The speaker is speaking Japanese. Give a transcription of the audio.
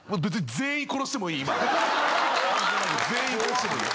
全員殺してもいい。